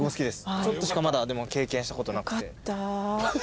ちょっとしか経験したことない？